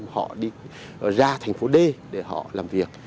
họ đi ra thành phố d để họ làm việc